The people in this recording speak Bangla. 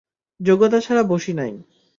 যোগ্যতা ছাড়া বসি নাই।